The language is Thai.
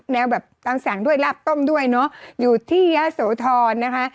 แนวแบบตางสังด้วยราบต้มด้วยอยู่ที่เยดโศทรนะคะ